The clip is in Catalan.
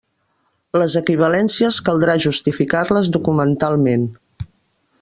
Les equivalències caldrà justificar-les documentalment.